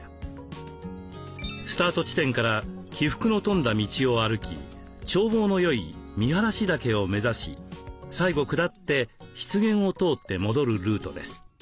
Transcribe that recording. スタート地点から起伏の富んだ道を歩き眺望の良い見晴岳を目指し最後下って湿原を通って戻るルートです。